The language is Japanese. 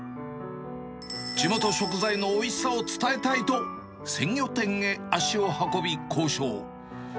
地元食材のおいしさを伝えたいと、鮮魚店へ足を運び、交渉。